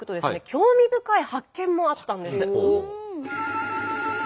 興味深い発見もあったんです。